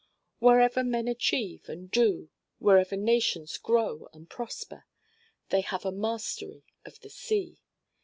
Wherever men achieve and do, wherever nations grow and prosper, they have a mastery of the sea.